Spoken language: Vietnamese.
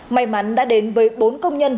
may mắn đã đến với bốn công nhân